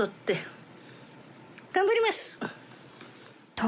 ［と